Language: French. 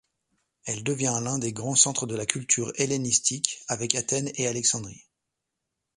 Elle devient l'un des grands centres de la culture hellénistique, avec Athènes et Alexandrie.